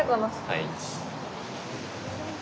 はい。